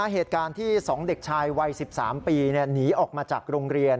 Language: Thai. เหตุการณ์ที่๒เด็กชายวัย๑๓ปีหนีออกมาจากโรงเรียน